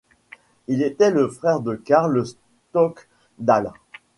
Il était le frère de Carl Stockdale.